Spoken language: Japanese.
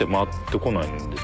こないです。